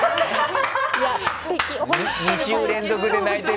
２週連続で泣いてる。